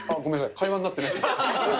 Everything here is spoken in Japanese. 会話になってないです。